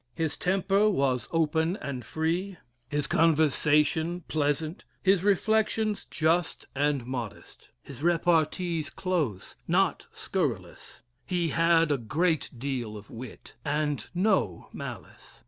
His temper was open and free; his conversation pleasant; his reflections just and modest; his repartees close not scurrilous; he had a great deal of wit, and no malice.